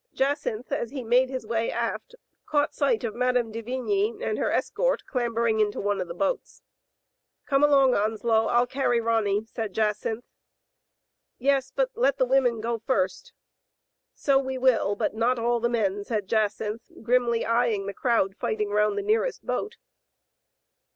Jacynth, as he made his way aft, caught sight of Mme. de Vigny and her escort clambering into one of the boats. "Come along, Onslow, Til carry Ronny," said Jacynth. Digitized by Google 26o THE FATE OF FENELLA, "Yes, but let the women go first." "So we will ; but not all the men/* said Jacynth, grimly eying the crowd fighting round the near est boat.